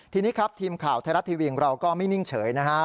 ทีนี้ครับทีมข่าวไทยรัฐทีวีของเราก็ไม่นิ่งเฉยนะฮะ